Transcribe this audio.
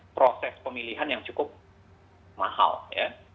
proses pemilihan yang cukup mahal ya